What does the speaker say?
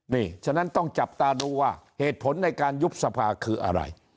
นี่ฉะนั้นต้องจับตาดูว่าเหตุผลในการยุบสภาคืออะไร